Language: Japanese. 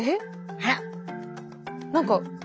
あら？何か。